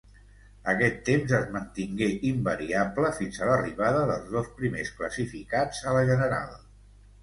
Aquest temps es mantingué invariable fins a l'arribada dels dos primers classificats a la general.